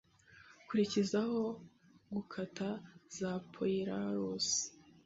kurikizaho gukata za poireaux